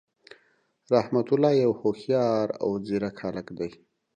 رحمت الله یو هوښیار او ځیرک هللک دی.